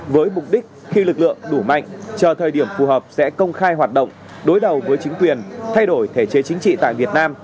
với mục đích khi lực lượng đủ mạnh chờ thời điểm phù hợp sẽ công khai hoạt động đối đầu với chính quyền thay đổi thể chế chính trị tại việt nam